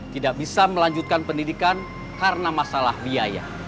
tidak bisa melanjutkan pendidikan karena masalah biaya